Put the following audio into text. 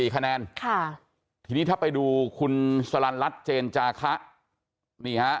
คะแนนค่ะทีนี้ถ้าไปดูคุณสลันรัฐเจนจาคะนี่ฮะ